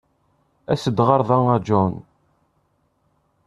As-d ɣer da a John.